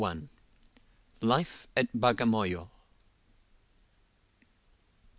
LIFE AT BAGAMOYO.